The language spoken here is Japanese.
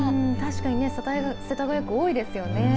確かにね、世田谷区、多いですよね。